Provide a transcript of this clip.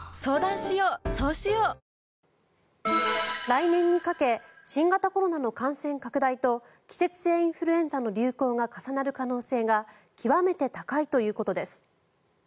来年にかけ新型コロナの感染拡大と季節性インフルエンザの流行が重なる可能性が極めて高いということです。